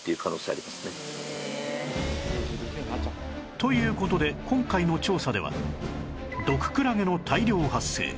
という事で今回の調査では毒クラゲの大量発生